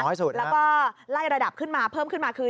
แล้วก็ไล่ระดับเพิ่มขึ้นมาคือ